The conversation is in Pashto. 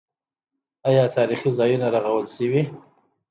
آیا تاریخي ځایونه رغول شوي؟